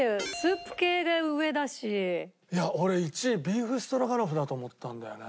俺１位ビーフストロガノフだと思ったんだよね。